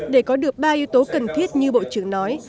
để có được ba yếu tố cần thiết như bộ trưởng nói